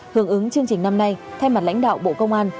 hướng ứng chương trình năm nay thay mặt lãnh đạo bộ công an